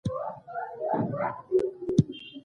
د داخلي قطر قېمت له خارجي قطر څخه منفي کړئ، بیا پرتله یې کړئ.